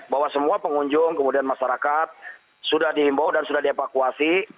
bahwa semua pengunjung kemudian masyarakat sudah dihimbau dan sudah dievakuasi